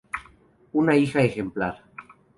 Una hija ejemplar.